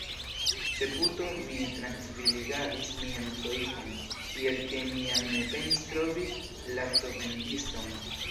Ĉe puto mi trankviligadis mian soifon, tiel ke mi jam ne penis trovi laktovendiston.